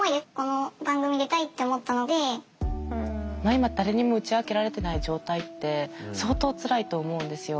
今誰にも打ち明けられてない状態って相当つらいと思うんですよ。